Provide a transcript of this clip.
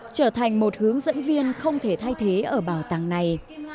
trở thành một hướng dẫn viên không thể thay thế ở bảo tàng này